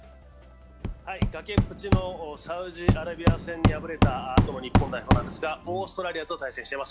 崖っぷちのサウジアラビア戦に敗れたあとの日本代表ですがオーストラリアと対戦しています。